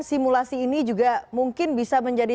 simulasi ini juga mungkin bisa menjadi